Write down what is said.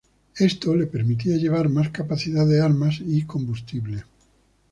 Esto le permitía llevar más capacidad de armas y combustible.